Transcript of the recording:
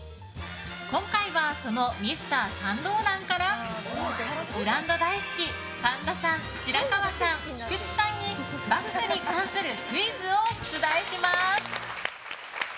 今回はそのＭｒ．サンローランからブランド大好き神田さん、白河さん、菊地さんにバッグに関するクイズを出題します！